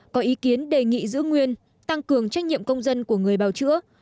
có ý kiến đề nghị giữ nguyên tăng cường trách nhiệm công dân của người bào chữa